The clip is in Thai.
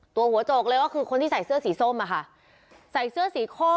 ตัวหัวโจกเลยก็คือคนที่ใส่เสื้อสีส้มอะค่ะ